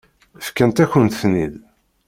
Fkant-akent-ten-id.